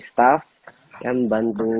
staff yang membantu